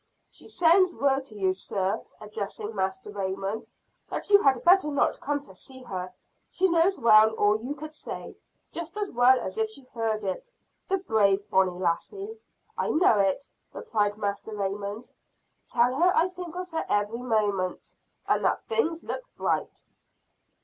"She sends word to you, sir," addressing Master Raymond, "that you had better not come to see her. She knows well all you could say just as well as if she heard it, the brave, bonnie lassie!" "I know it," replied Master Raymond. "Tell her I think of her every moment and that things look bright."